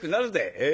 ええ？